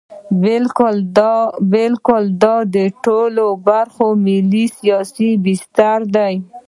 بلکې دا د ټولو برخو ملي سیاسي بستر دی.